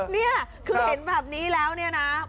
นี่คือเห็นแบบนี้แล้วเนี่ยนะ